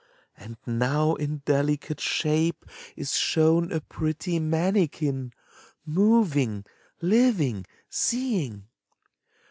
And now in delicate shape is shown A pretty manikin, moving, living, seeing!